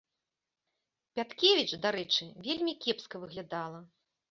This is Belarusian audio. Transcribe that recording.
Пяткевіч, дарэчы, вельмі кепска выглядала.